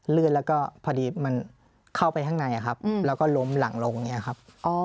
ลื่นแล้วก็พอดีมันเข้าไปข้างในครับแล้วก็ล้มหลังลงอย่างนี้ครับ